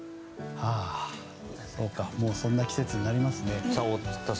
もうそんな季節になりますね。